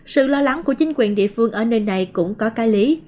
sự lo lắng của chính quyền địa phương ở nơi này cũng có cái lý